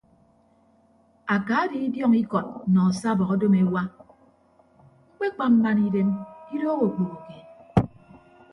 Aka die idiọñ ikọt nọ asabọ odom ewa ñkpekpa mmana idem idooho okpoho keed.